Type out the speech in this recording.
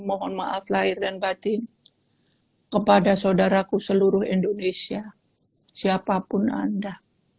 mohon maaf lahir dan batin kepada saudaraku seluruh indonesia siapapun anda